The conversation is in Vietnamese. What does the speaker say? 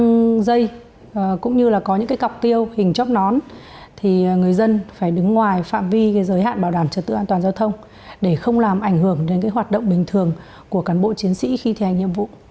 các dây cũng như là có những cái cọc tiêu hình chóp nón thì người dân phải đứng ngoài phạm vi giới hạn bảo đảm trật tự an toàn giao thông để không làm ảnh hưởng đến cái hoạt động bình thường của cán bộ chiến sĩ khi thi hành nhiệm vụ